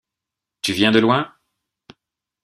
Tu viens de loin?